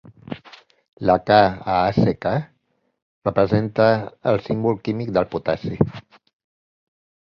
La K a "Ace K" representa el símbol químic del potassi.